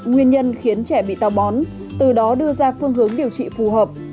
nguyên nhân khiến trẻ bị tàu bón từ đó đưa ra phương hướng điều trị phù hợp